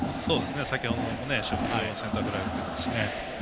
先ほども初球をセンターフライ打ってますよね。